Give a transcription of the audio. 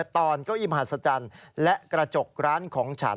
ตอนเก้าอีมหาศจรรย์และกระจกร้านของฉัน